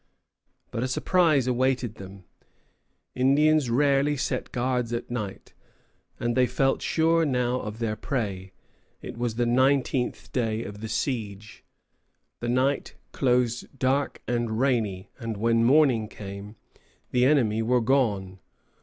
But a surprise awaited them. Indians rarely set guards at night, and they felt sure now of their prey. It was the nineteenth day of the siege. The night closed dark and rainy, and when morning came, the enemy were gone.